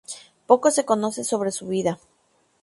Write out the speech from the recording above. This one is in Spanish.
Poco se conoce sobre su vida.